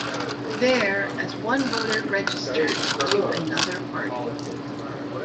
There as one voter registered to another party.